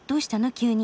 急に。